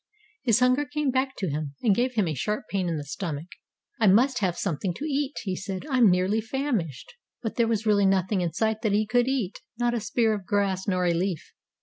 His hunger came back to him, and gave him a sharp pain in the stomach. "I must have something to eat," he said. "I'm nearly famished." But there was really nothing in sight that he could eat not a spear of grass nor a leaf.